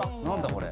これ。